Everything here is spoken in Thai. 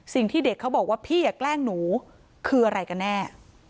สิ่งที่เด็กเขาบอกว่าพี่แกล้งหนูคืออะไรกันแน่